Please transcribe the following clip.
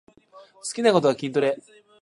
好きなことは筋トレ